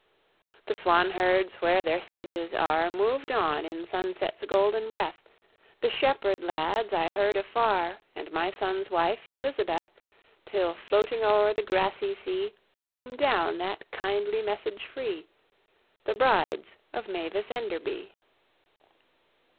The swanherds where their sedges are Mov'd on in sunset's golden breath, The shepherde lads I heard afarre, And my sonne's wife, Elizabeth; Till floating o'er the grassy sea Came downe that kyndly message free, The "Brides of Mavis Enderby."